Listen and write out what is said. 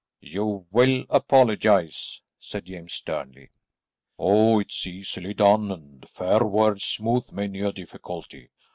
"You will apologise," said James sternly. "Oh, it is easily done, and fair words smooth many a difficulty.